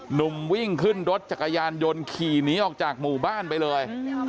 หนุ่มวิ่งขึ้นรถจักรยานยนต์ขี่หนีออกจากหมู่บ้านไปเลย